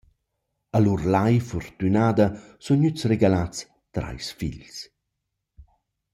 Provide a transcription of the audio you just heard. A lur lai furtünada sun gnüds regalats trais figls.